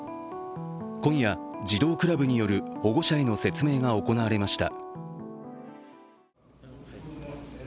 今夜、児童クラブによる保護者への説明が行われました。